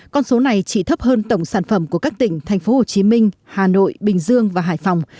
con số này chỉ thấp hơn tổng sản phẩm của các tỉnh tp hcm hà nội bình dương và hải phòng